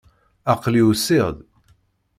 Aql-i usiɣ-d.